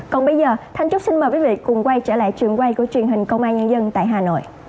còn bây giờ thanh trúc xin mời quý vị cùng quay trở lại trường quay của truyền hình công an nhân dân tại hà nội